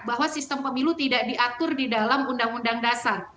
bahwa sistem pemilu tidak diatur di dalam undang undang dasar